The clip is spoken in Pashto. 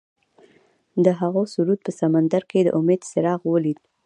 هغه د سرود په سمندر کې د امید څراغ ولید.